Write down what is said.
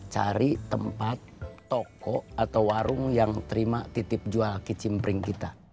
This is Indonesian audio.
cari tempat toko atau warung yang terima titip jual kicimpring kita